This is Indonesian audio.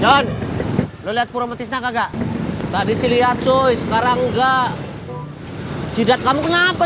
john lo lihat pura mati snack agak tadi sih lihat coy sekarang enggak jidat kamu kenapa